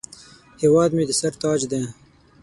هیواد مې د سر تاج دی